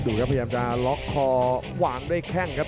ครับพยายามจะล็อกคอวางด้วยแข้งครับ